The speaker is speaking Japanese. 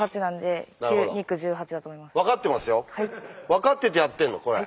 分かっててやってんのこれ。